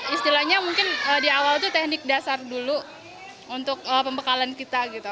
istilahnya mungkin di awal itu teknik dasar dulu untuk pembekalan kita gitu